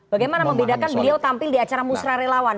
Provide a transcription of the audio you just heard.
bagaimana membedakan beliau tampil di acara musra relawan